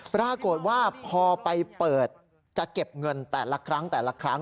ปรากฏว่าพอไปเปิดจะเก็บเงินแต่ละครั้งแต่ละครั้ง